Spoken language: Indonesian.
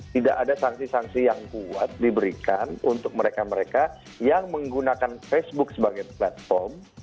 tidak ada sanksi sanksi yang kuat diberikan untuk mereka mereka yang menggunakan facebook sebagai platform